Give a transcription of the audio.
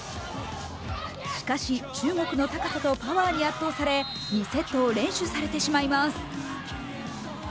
しかし中国の高さとパワーに圧倒され２セットを連取されてしまいます。